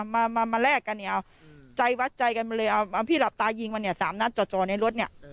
มาแลกกันใจวัดใจกันมาเลยพี่หลับตายิงมัน๓หน้าจอในรถ